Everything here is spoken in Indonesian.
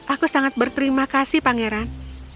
aku sangat berterima kasih pangeran